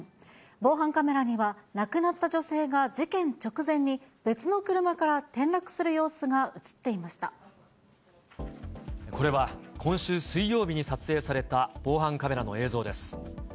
防犯カメラには、亡くなった女性が事件直前に、別の車から転落する様子が写ってこれは、今週水曜日に撮影された防犯カメラの映像です。